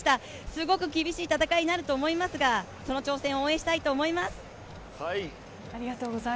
すごく厳しい戦いになると思いますがその挑戦を応援したいと思います。